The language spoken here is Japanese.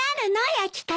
焼き方。